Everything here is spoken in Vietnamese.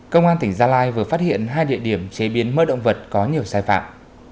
công an tỉnh gia lai vừa phát hiện hai địa điểm chế biến mờ động vật có nhiều sai phạm